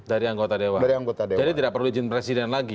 dari anggota dewan jadi tidak perlu izin presiden lagi